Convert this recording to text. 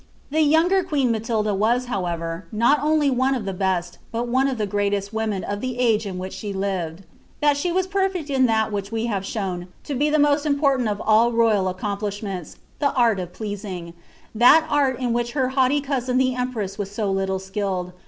The younger queen Matilda was, how ever, not only one of the best, but one of the greatest, women of the use in which she lived. That she was perfect in that which we have sliown lo be the most important of all royal accomplishments — the art of plceiiiiif — thai art in which her haughty cousin the empress n MATILDA OF BOULOONB.